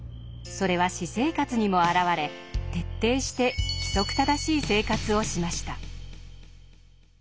それは私生活にもあらわれ徹底して規則正しい生活をしました。